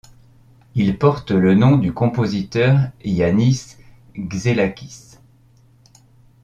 Il porte le nom du compositeur Iannis Xenakis.